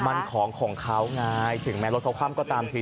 มันของของเขาไงถึงแม้รถเขาคว่ำก็ตามที